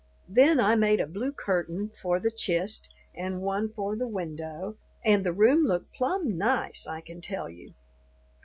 Then I made a blue curtain for the "chist" and one for the window, and the room looked plumb nice, I can tell you.